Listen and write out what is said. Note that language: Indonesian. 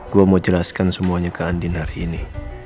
gue mau jelaskan semuanya ke andin hari ini